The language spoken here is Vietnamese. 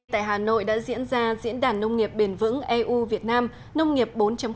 tại hà nội đã diễn ra diễn đàn nông nghiệp bền vững eu việt nam nông nghiệp bốn